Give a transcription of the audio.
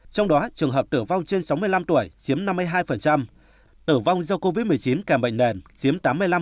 trong đó trường hợp tử vong trên sáu mươi năm tuổi chiếm năm mươi hai tử vong do covid một mươi chín kèm bệnh nền chiếm tám mươi năm